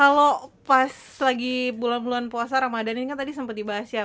kalau pas lagi bulan bulan puasa ramadhan ini kan tadi sempet dibahas ya